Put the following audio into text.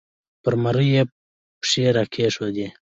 پر مرۍ یې پښې را کېښودې